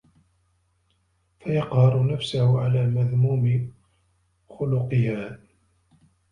فَيَقْهَرُ نَفْسَهُ عَلَى مَذْمُومِ خُلُقِهَا